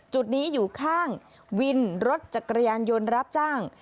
จุดนี้อยู่ข้างวินรถจักรยานยนต์รับจ้าง